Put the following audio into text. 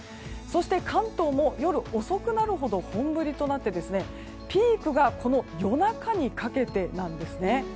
そして、関東も夜遅くなるほど本降りとなってピークが夜中にかけてなんですね。